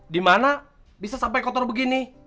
dimana bisa sampai kotor begini